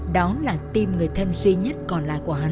đó là tim người thân duy nhất còn lại của hắn